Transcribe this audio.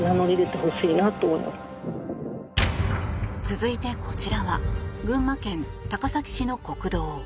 続いてこちらは群馬県高崎市の国道。